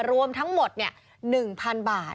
รวมทั้งหมด๑๐๐๐บาท